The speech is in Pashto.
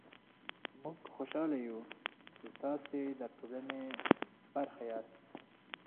موژ خوشحاله يو چې تاسې ده ټولني برخه ياست